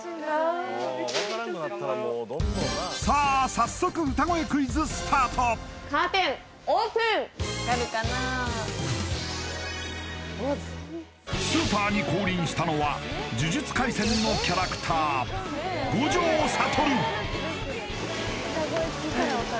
早速歌声クイズスタートスーパーに降臨したのは「呪術廻戦」のキャラクター五条悟